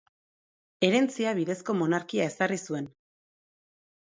Herentzia bidezko monarkia ezarri zuen.